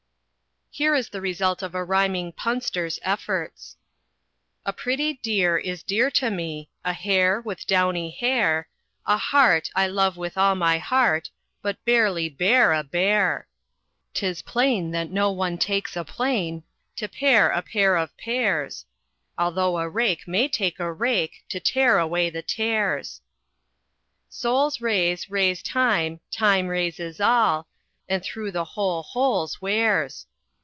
_ Here is the result of a rhyming punster's efforts: "A pretty deer is dear to me, A hare with downy hair, A hart I love with all my heart, But barely bear a bear. "'Tis plain that no one takes a plane To pare a pair of pears, Although a rake may take a rake To tear away the tares. "Sol's rays raise thyme, time raises all, And through the whole holes wears.